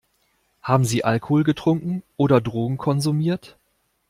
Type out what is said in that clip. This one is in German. Haben Sie Alkohol getrunken oder Drogen konsumiert?